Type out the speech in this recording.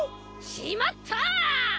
しまった！